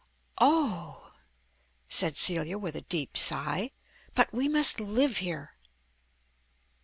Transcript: "Oh," said Celia with a deep sigh, "but we must live here."